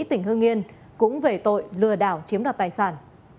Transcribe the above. tỉnh hương yên cũng về tội lừa đảo chiếm đoạt tài sản